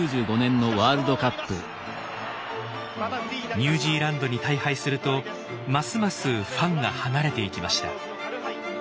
ニュージーランドに大敗するとますますファンが離れていきました。